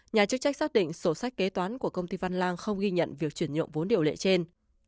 nhà chức trách xác định sổ sách kế toán của công ty văn lang không ghi nhận việc chuyển nhượng vốn điều lệ trên